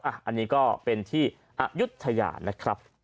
อันนี้ก็เป็นที่อายุทยานะครับ